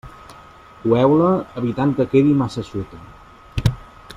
Coeu-la evitant que quedi massa eixuta.